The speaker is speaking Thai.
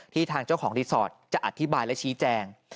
ทางเจ้าของรีสอร์ทจะอธิบายและชี้แจง